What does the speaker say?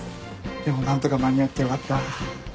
でも何とか間に合ってよかった。